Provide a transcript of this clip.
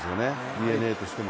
ＤｅＮＡとしても。